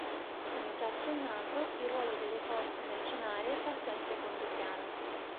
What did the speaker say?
Come già accennato, il ruolo delle forze mercenarie passò in secondo piano.